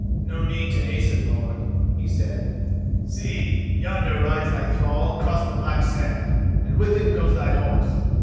"No need to hasten, lord," he said. "See yonder rides thy thrall across the black sand, and with him goes thy horse.